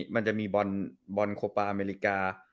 มันจะมีบอลโคปาอเมริกา